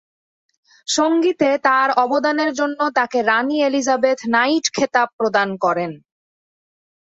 সঙ্গীতে তার অবদানের জন্য তাকে রাণী এলিজাবেথ নাইট খেতাব প্রদান করেন।